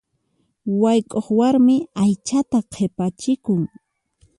Wayk'uq warmi aychata qhipachikun.